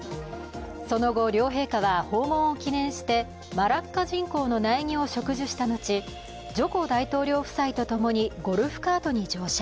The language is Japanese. その後、両陛下は訪問を記念してマラッカジンコウの苗木を植樹したのち、ジョコ大統領夫妻とともにゴルフカートに乗車。